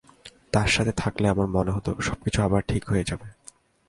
তার সাথে থাকলে আমার মনে হত, সবকিছু আবার ঠিক হয়ে যাবে।